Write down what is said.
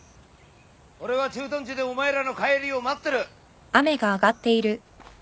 俺は駐屯地でお前らの帰りを待ってる。